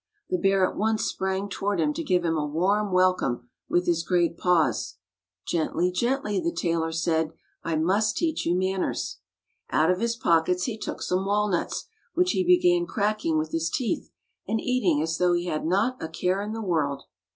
The bear at once sprang toward him to give him a warm welcome with his great paws. "Gently, gently," the tailor said, "I must teach you manners." Out of his pockets he took some walnuts which he began cracking with his teeth and eating as though he had not a care in the world.